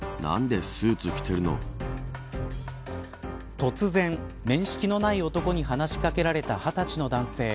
突然、面識のない男に話し掛けられた２０歳の男性。